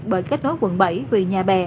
bởi kết nối quận bảy về nhà bè